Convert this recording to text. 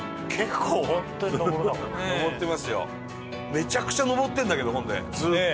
めちゃくちゃ上ってるんだけどほんでずーっと。